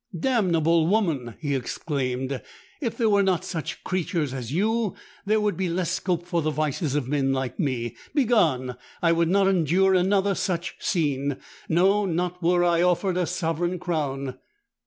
'Damnable woman!' he exclaimed; '_if there were not such creatures as you, there would be less scope for the vices of men like me. Begone! I would not endure another such scene—no, not were I offered a sovereign crown!